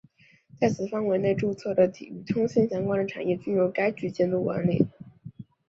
在此范围内注册的与通信相关的产业均由该局监督管理。